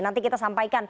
nanti kita sampaikan